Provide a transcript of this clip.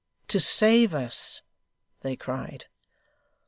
'To save us!' they cried.